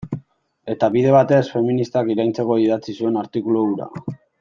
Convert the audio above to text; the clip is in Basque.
Eta bide batez, feministak iraintzeko idatzi zuen artikulu hura.